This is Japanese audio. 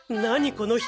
この人。